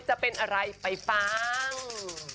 จะเป็นอะไรไปฟัง